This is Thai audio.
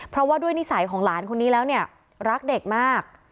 เพราะว่าด้วยนิสัยของหลานคนนี้แล้วเนี่ยรักเด็กมาก